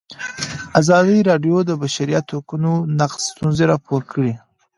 ازادي راډیو د د بشري حقونو نقض ستونزې راپور کړي.